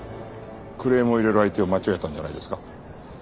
クレームを入れる相手を間違えたんじゃないですか。